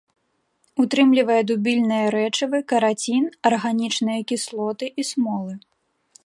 Утрымлівае дубільныя рэчывы, карацін, арганічныя кіслоты і смолы.